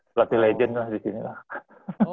pelatih legend lah disini lah